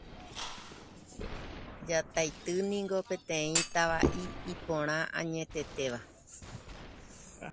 Jataity niko peteĩ tava'i iporã añetetéva